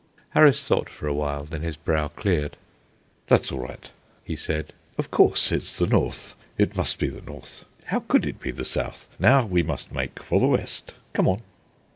Harris thought for a while; then his brow cleared. "That's all right," he said; "of course, it's the north. It must be the north. How could it be the south? Now we must make for the west. Come on."